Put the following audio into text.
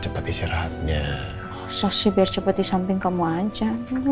usah sih biar cepet di samping kamu aja